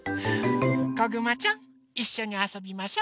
こぐまちゃんいっしょにあそびましょ。